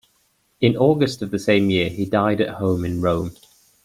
In August of the same year, he died at home in Rome.